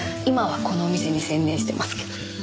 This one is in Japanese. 今はこのお店に専念してますけど。